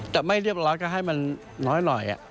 แต่ไม่เรียบร้อยก็ให้มันน้อยหน่อย